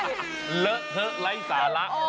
เหลือเฮ่อไล่สาระ